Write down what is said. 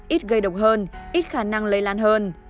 ít gây độc hơn ít khả năng lây lan hơn